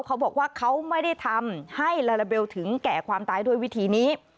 เขาบอกว่าเขาไม่ได้ทำให้ลาลาเบลถึงแก่ความตายด้วยวิธีนี้